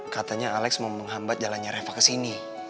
katanya alex mau menghambat jalannya treva ke sini